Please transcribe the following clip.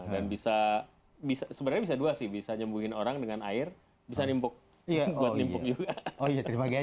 dan bisa bisa sebenarnya bisa dua sih bisa nyembuhin orang dengan air bisa nimpuk ya